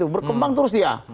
berkembang terus dia